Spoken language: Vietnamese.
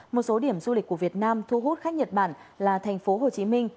một số điểm du lịch của việt nam thu hút khách nhật bản là thành phố hồ chí minh